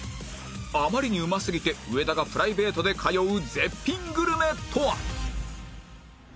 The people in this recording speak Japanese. あまりにうますぎて上田がプライベートで通う絶品グルメとは？